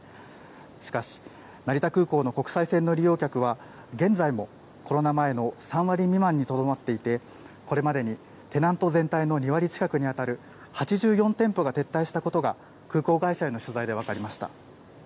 しかし、成田空港の国際線の利用客は、現在もコロナ前の３割未満にとどまっていて、これまでにテナント全体の２割近くに当たる８４店舗が撤退したことが、空港会社への取材で分かりました。